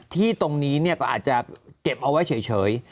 ที่ตรงนี้ก็อาจจะเก็บเอาไว้เฉย